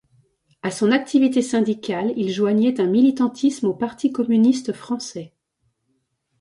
À son activité syndicale il joignait un militantisme au Parti communiste français.